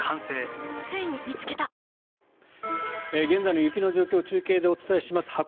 現在の雪の状況を中継でお伝えします。